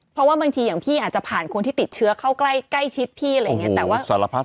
เพราะว่าบางทีอย่างพี่อาจจะผ่านคนที่ติดเชื้อเข้าใกล้ชิดพี่อะไรอย่างนี้